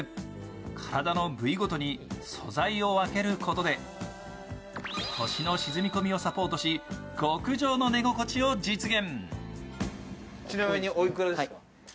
体の部位ごとに素材を分けることで、腰の沈み込みをサポートし極上の寝心地を実現。